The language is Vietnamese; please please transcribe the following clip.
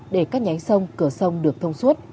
để các nhánh sông cửa sông được thông suốt